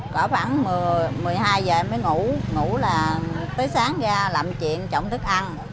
cả khoảng một mươi hai giờ em mới ngủ ngủ là tới sáng ra làm chuyện trộm thức ăn